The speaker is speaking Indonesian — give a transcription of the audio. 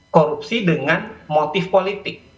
korupsi dengan motif politik